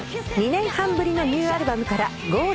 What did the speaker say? ２年半ぶりのニューアルバムから『ＧｏＬｉｖｅ！』